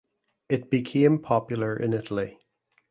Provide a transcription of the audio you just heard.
It became popular in Italy.